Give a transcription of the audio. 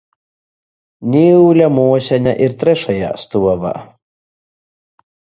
Niule muoseņa ir trešajā stuovā.